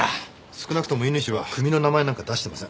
少なくとも伊縫氏は組の名前なんか出してません。